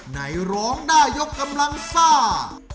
ในร้องได้ยกกำลังซ่า